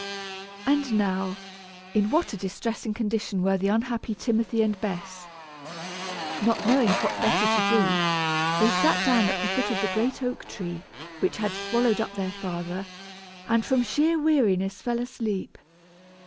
And now, in what a distressing condition were the unhappy Timothy and Bess! Not knowing what better to do, they sat down at the foot of the great oak tree which had swallowed up their father, and from sheer weariness fell asleep.